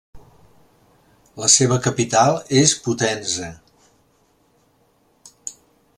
La seva capital és Potenza.